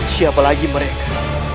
siapa lagi mereka